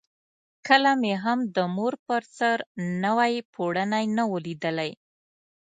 کله مې هم د مور پر سر نوی پوړونی نه وو لیدلی.